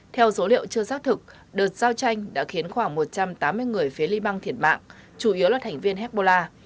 theo dấu liệu chưa xác thực đợt giao tranh đã khiến khoảng một trăm tám mươi người phía liban thiệt mạng chủ yếu là thành viên hezbollah